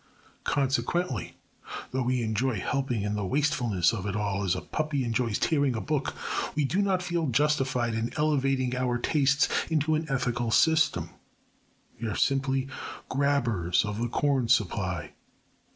Consequently, though we enjoy helping in the wastefulness of it all as a puppy enjoys tearing a book, we do not feel justified in elevating our tastes into an ethical system. We are simply grabbers of the corn supply.